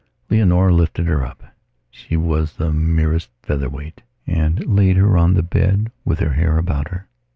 Leonora lifted her upshe was the merest featherweightand laid her on the bed with her hair about her.